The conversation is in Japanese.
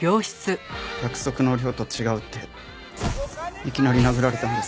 約束の量と違うっていきなり殴られたんです。